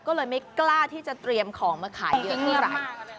ก็เลยไม่กล้าที่จะเตรียมของมาขายเยอะเท่าไหร่